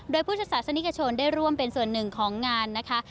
โดยพุทธศาสนิกชนได้ร่วมเป็นส่วนหนึ่งของงานนะคะ